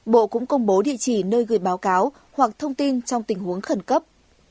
bộ cũng công bố địa chỉ nơi gửi báo cáo hoặc thông tin trong tình huống khẩn cấp